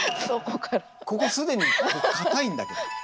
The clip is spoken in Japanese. ここ既に硬いんだけど。